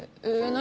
何？